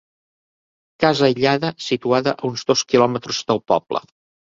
Casa aïllada situada a uns dos quilòmetres del poble.